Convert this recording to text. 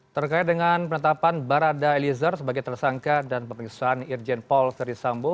terkait dengan penetapan barada elizer sebagai tersangka dan pemirsaan irjen paul verisambu